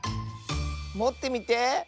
もってみて。